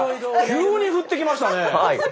急に振ってきましたね。